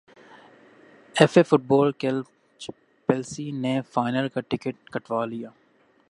F A football cup Chelsea نے final کا ticket کٹوا لیا